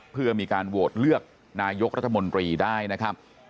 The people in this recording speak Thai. เพื่อมีการโหวตเลือกนายกรัฐมนตรีได้นะครับ